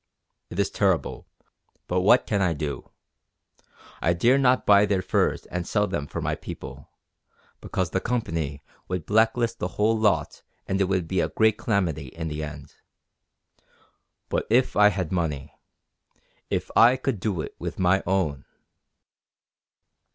It is terrible, but what can I do? I dare not buy their furs and sell them for my people, because the Company would blacklist the whole lot and it would be a great calamity in the end. But if I had money if I could do it with my own...."